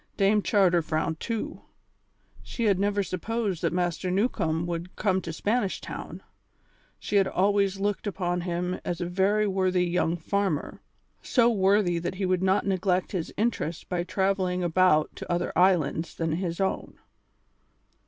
Dame Charter frowned too. She had never supposed that Master Newcombe would come to Spanish Town; she had always looked upon him as a very worthy young farmer; so worthy that he would not neglect his interest by travelling about to other islands than his own.